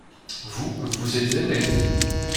Vous, vous êtes aimé.